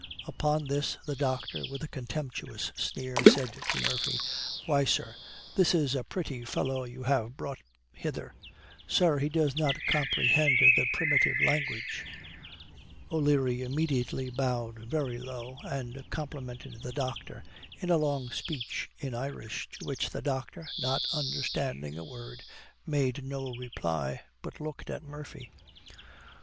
Upon this, the doctor, with a contemptuous sneer, said to Murphy, 'Why, sir, this is a pretty fellow you have brought hither. Sir, he does not comprehend the primitive language.' O'Leary immediately bowed very low, and complimented the doctor in a long speech in Irish, to which the doctor, not understanding a word, made no reply, but looked at Murphy.